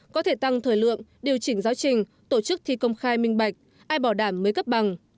có thể tăng thời lượng điều chỉnh giáo trình tổ chức thi công khai minh bạch ai bảo đảm mới cấp bằng